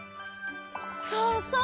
そうそう！